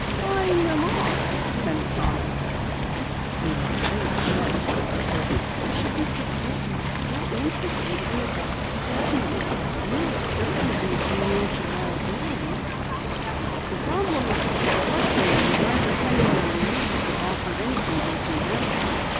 "Buying them off?" Penny commented. "In a way, yes. But why should Mr. Coaten be so interested in adopting Ted and me? We'll certainly be a financial liability." The problem was such a perplexing one that neither Penny nor Louise could offer any convincing answer.